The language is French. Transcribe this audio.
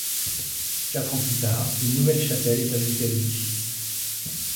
Quatre ans plus tard, une nouvelle chapelle est ajoutée à l'édifice.